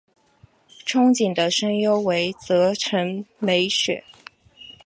憧憬的声优为泽城美雪。